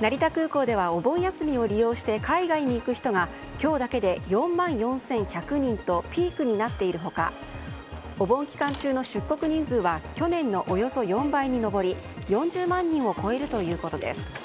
成田空港ではお盆休みを利用して海外に行く人が今日だけで４万４１００人とピークになっている他お盆期間中の出国人数は去年のおよそ４倍に上り４０万人を超えるということです。